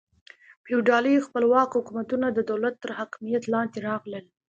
فیوډالي خپلواک حکومتونه د دولت تر حاکمیت لاندې راغلل.